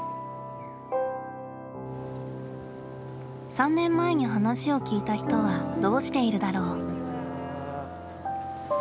３年前に話を聞いた人はどうしているだろう。